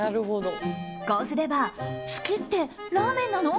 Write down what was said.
こうすれば、好きってラーメンなの？